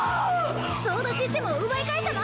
操舵システムを奪い返したな！